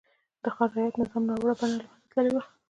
د خان رعیت نظام ناوړه بڼه له منځه تللې وه.